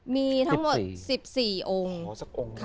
มีทั้งหมด๑๔องค่ะ